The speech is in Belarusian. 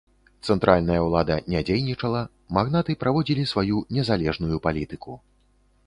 Цэнтральная ўлада не дзейнічала, магнаты праводзілі сваю незалежную палітыку.